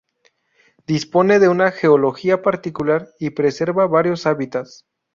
Dispone de una geología particular y preserva varios hábitats.